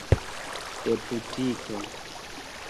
deputito